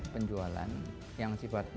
penjualan yang sibar terjadi